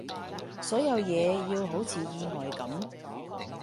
所有嘢要好似意外噉